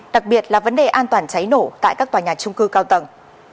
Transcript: đặc biệt là vấn đề an toàn cháy nổ tại các tòa nhà trung cư cao tầng